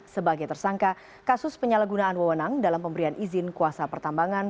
sebagai tersangka kasus penyalahgunaan wewenang dalam pemberian izin kuasa pertambangan